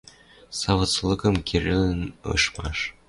Савыц лыкым керӹлӹн ышмаш...